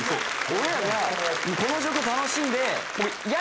俺らがこの状況楽しんで。